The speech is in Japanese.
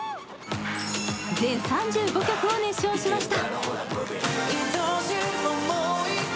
全３５曲を熱唱しました。